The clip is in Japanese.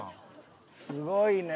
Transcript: すごいね。